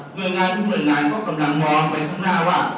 เมื่องานทุกเมื่องานก็กำลังมองไปข้างหน้าว่า